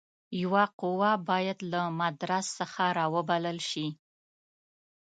یوه قوه باید له مدراس څخه را وبلل شي.